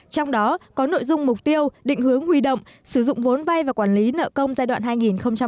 trong đó có nội dung mục tiêu định hướng huy động sử dụng vốn vay và quản lý nợ công giai đoạn hai nghìn hai mươi một hai nghìn hai mươi năm